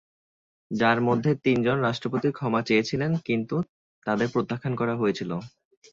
যার মধ্যে তিন জন রাষ্ট্রপতি ক্ষমা চেয়েছিলেন কিন্তু তাদের প্রত্যাখ্যান করা হয়েছিল।